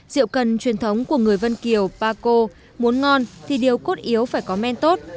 rượu cân truyền thống của người vân kiều pa co muốn ngon thì điều cốt yếu phải có men tốt